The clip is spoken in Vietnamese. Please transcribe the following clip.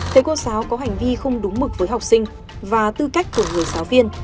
thầy cô giáo có hành vi không đúng mực với học sinh và tư cách của người giáo viên